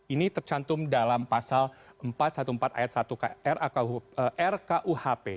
ini tercantum dalam pasal empat ratus empat belas ayat satu rkuhp